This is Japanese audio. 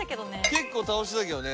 結構倒してたけどね。